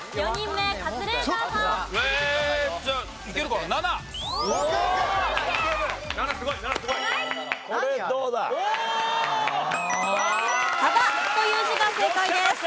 「巾」という字が正解です。